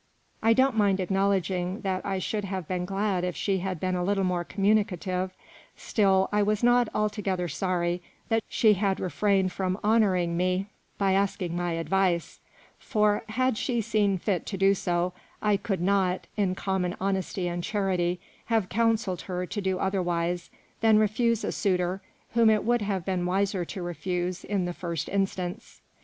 I don't mind 18 THE ROMANCE OF acknowledging that T should have been glad if she had been a little more communicative ; still I was not altogether sorry that she had refrained from honouring me by asking my advice ; for, had she seen fit to do so, I could not, in common honesty and charity, have counselled her to do otherwise than refuse a suitor whom it would have been wiser to refuse in the first instance.